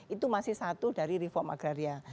itu masih satu dari reform agraria